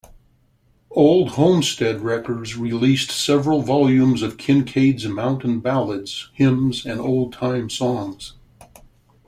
Old Homestead Records released several volumes of Kincaid's mountain ballads, hymns, and old-time songs.